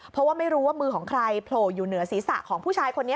เพราะว่าไม่รู้ว่ามือของใครโผล่อยู่เหนือศีรษะของผู้ชายคนนี้